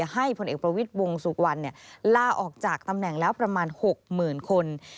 ให้ผลเอกประวิทย์วงสุวรรณลาออกจากตำแหน่งแล้วประมาณ๖๐๐๐คน